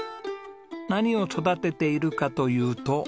何を育てているかというと。